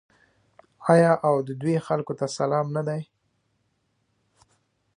آیا او د دوی خلکو ته سلام نه دی؟